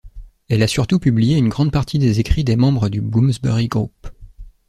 Elle a surtout publié une grande partie des écrits des membres du Bloomsbury Group.